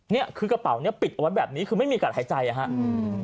เนี่ยคือกระเป๋านี้ปิดเอาไว้แบบนี้คือไม่มีอากาศหายใจ